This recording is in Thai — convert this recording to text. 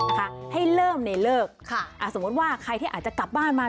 นะคะให้เริ่มในเลิกสมมุติว่าใครที่อาจจะกลับบ้านมา